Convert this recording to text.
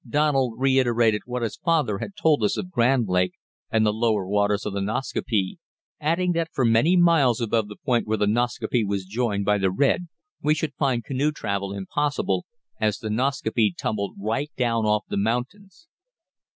Donald reiterated what his father had told us of Grand Lake and the lower waters of the Nascaupee, adding that for many miles above the point where the Nascaupee was joined by the Red we should find canoe travel impossible, as the Nascaupee "tumbled right down off the mountains."